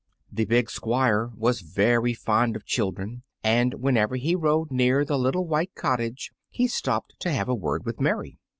The big Squire was very fond of children, and whenever he rode near the little white cottage he stopped to have a word with Mary.